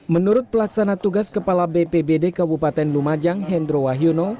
menurut pelaksana tugas kepala bpbd kabupaten lumajang hendro wahyono